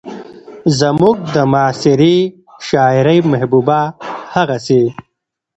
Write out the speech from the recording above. زموږ د معاصرې شاعرۍ محبوبه هغسې